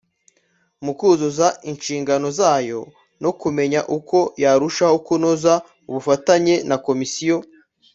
mu kuzuza inshingano zayo no kumenya uko yarushaho kunoza ubufatanye na Komisiyo